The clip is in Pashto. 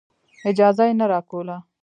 اجازه یې نه راکوله.